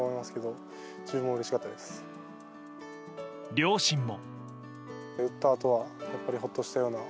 両親も。